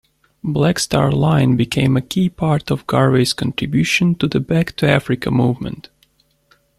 Black Star Line became a key part of Garvey's contribution to the Back-to-Africa movement.